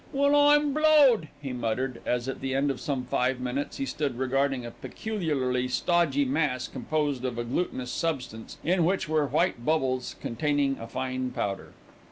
"Well, I'm blowed," he muttered as, at the end of some five minutes, he stood regarding a peculiarly stodgy mass composed of a glutinous substance in which were white bubbles containing a fine powder.